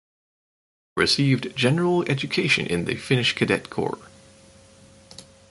Received general education in the Finnish Cadet Corps.